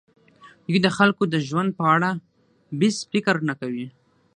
دوی د خلکو د ژوند په اړه بېڅ فکر نه کوي.